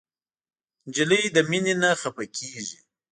نجلۍ له مینې نه خفه کېږي.